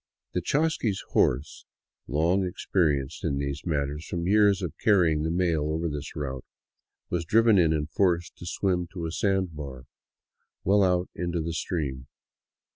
The chasqui's horse, long experienced in these matters from years of carrying the mails over this route, was driven in and forced to swim to a sand bar well out in the stream.